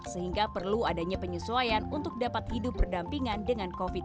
sehingga perlu adanya penyesuaian untuk dapat hidup perdampingan